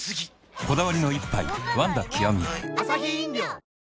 こだわりの一杯「ワンダ極」